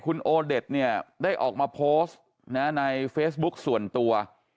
คุณโอเด็ดเนี่ยได้ออกมาโพสต์ในเฟซบุ๊กส่วนตัว